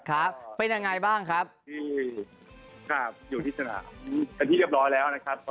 ครับเป็นยังไงบ้างครับที่ครับอยู่ที่สนามเป็นที่เรียบร้อยแล้วนะครับ